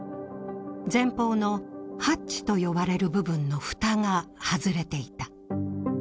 前方のハッチと呼ばれる部分のふたが外れていた。